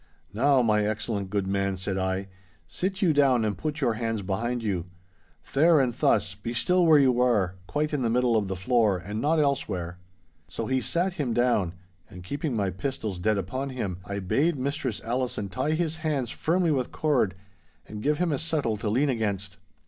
'Now, my excellent good man,' said I, 'sit you down and put your hands behind you. There and thus, be still where you are, quite in the middle of the floor and not elsewhere.' So he sat him down, and, keeping my pistols dead upon him, I bade Mistress Allison tie his hands firmly with cord, and give him a settle to lean against.